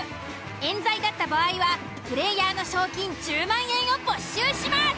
冤罪だった場合はプレイヤーの賞金１０万円を没収します。